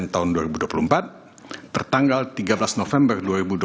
tahun dua ribu dua puluh empat tertanggal tiga belas november dua ribu dua puluh